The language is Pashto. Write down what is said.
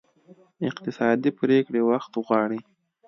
اقتصادي پرېکړې وخت غواړي.